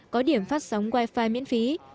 có điểm phát sóng wifi miễn phí